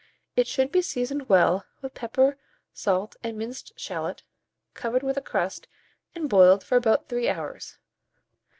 It should be seasoned well with pepper, salt, and minced shalot, covered with a crust, and boiled for about 3 hours.